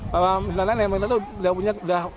kalau nenek main kita itu sudah punya